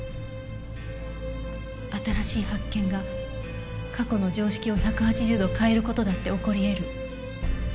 新しい発見が過去の常識を１８０度変える事だって起こり得る。